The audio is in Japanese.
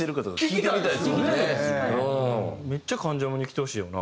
めっちゃ『関ジャム』に来てほしいよな。